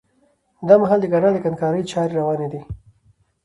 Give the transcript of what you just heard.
دا مهال د کانال د کندنکارۍ چاري رواني دي